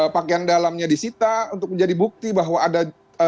pakaian dalamnya disita untuk menjadi bukti bahwa ada